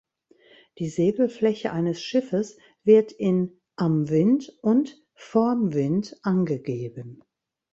Die Segelfläche eines Schiffes wird in „am Wind“ und „vorm Wind“ angegeben.